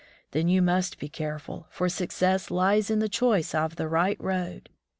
Then you must be careful, for success lies in the choice of the right road.